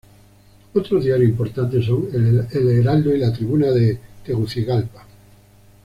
Otros diarios importantes son: El Heraldo y La Tribuna de Tegucigalpa.